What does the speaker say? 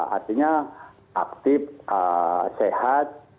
artinya aktif sehat